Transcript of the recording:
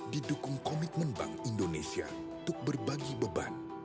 didukung komitmen bank indonesia untuk berbagi beban